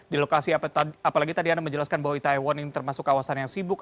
di lokasi apalagi tadi anda menjelaskan bahwa itaewon ini termasuk kawasan yang sibuk